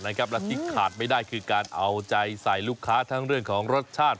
และที่ขาดไม่ได้คือการเอาใจใส่ลูกค้าทั้งเรื่องของรสชาติ